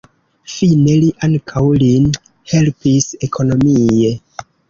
Fine li ankaŭ lin helpis ekonomie.